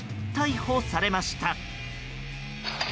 逮捕されました。